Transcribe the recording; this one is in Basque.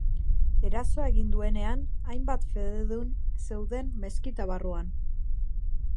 Erasoa egin duenean, hainbat fededun zeuden meskita barruan.